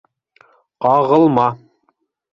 Ҡағылма.